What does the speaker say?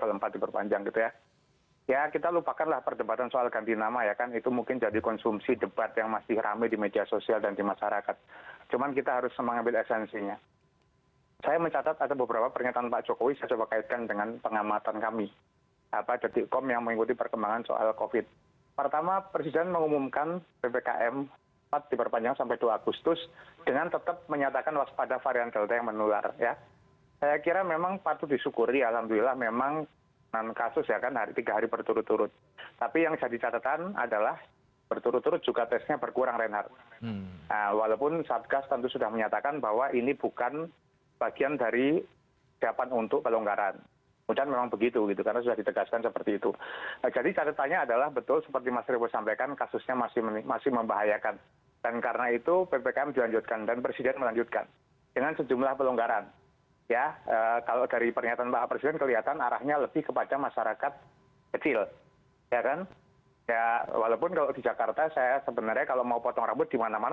walaupun kalau di jakarta saya sebenarnya kalau mau potong rambut di mana mana memang tidak perah putus itu potong rambut renhard